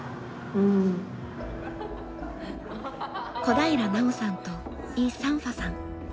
小平奈緒さんとイ・サンファさん。